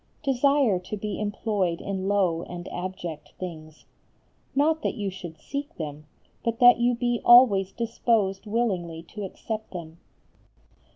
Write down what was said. Desire to be employed in low and abject things. Not that you should seek them, but that you be always disposed willingly to accept them.